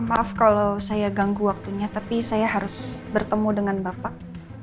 maaf kalau saya ganggu waktunya tapi saya harus bertemu dengan bapak